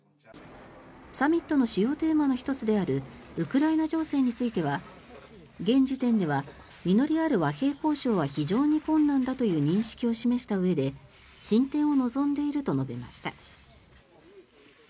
サミットの主要テーマの１つであるウクライナ情勢については現時点では実りある和平交渉は非常に困難だという認識を示したうえで進展を望んでいると述べました。